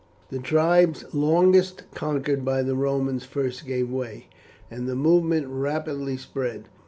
The tribes longest conquered by the Romans first gave way, and the movement rapidly spread.